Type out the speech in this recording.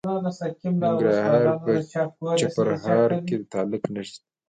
د ننګرهار په چپرهار کې د تالک نښې شته.